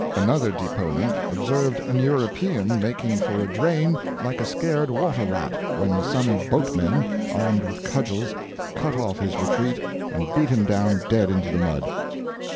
Another deponent observed an European making for a drain like a scared water rat, when some boatmen, armed with cudgels, cut off his retreat, and beat him down dead into the mud."